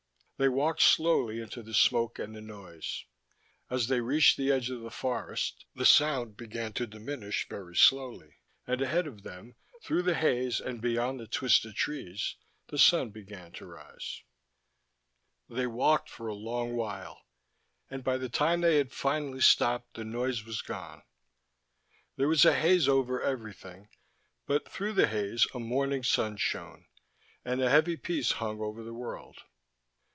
They walked slowly into the smoke and the noise. As they reached the edge of the forest, the sound began to diminish, very slowly; and, ahead of them, through the haze and beyond the twisted trees, the sun began to rise. They walked for a long while, and by the time they had finally stopped the noise was gone. There was a haze over everything, but through the haze a morning sun shone, and a heavy peace hung over the world.